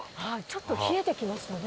ちょっと冷えてきましたね。